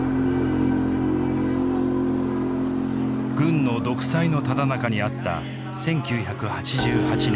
軍の独裁のただ中にあった１９８８年。